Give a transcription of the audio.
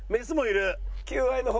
求愛の方？